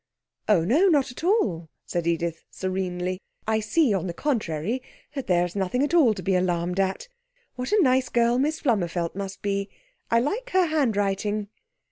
'Oh, no! not at all,' said Edith serenely. 'I see, on the contrary, that there is nothing at all to be alarmed at. What a nice girl Miss Flummerfelt must be! I like her handwriting.'